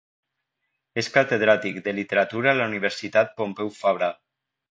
És catedràtic de Literatura a la Universitat Pompeu Fabra.